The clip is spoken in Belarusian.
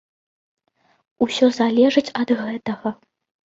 Усё залежыць ад гэтага.